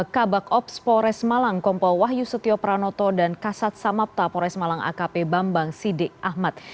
kabak ops pores malang kompo wahyu setiopranoto dan kasat samapta pores malang akp bambang sidi ahmad